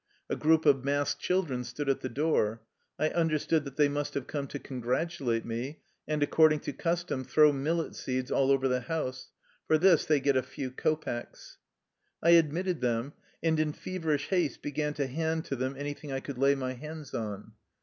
A group of masked children stood at the door. I understood that they must have come to con gratulate me, and, according to custom, throw millet seeds all over the house. For this they get a few kopecks. I admitted them, and in feverish haste began to hand to them anything I could lay my hands on.